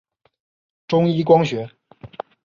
中一光学。